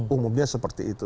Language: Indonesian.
umumnya seperti itu